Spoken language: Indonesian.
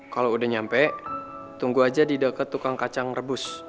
kalau udah nyampe tunggu aja di dekat tukang kacang rebus